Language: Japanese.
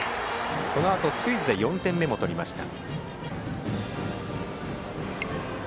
このあと、スクイズで４点目も取りました。